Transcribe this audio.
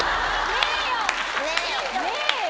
ねえよ！